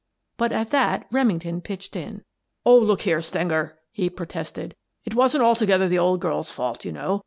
But at that Remington pitched in. "Oh, look here, Stenger," he protested, "it wasn't altogether the old girl's fault, you know.